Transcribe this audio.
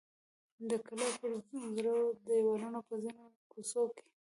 د کلا پر زړو دیوالونو او په ځینو کوڅو کې.